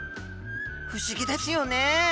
不思議ですよね。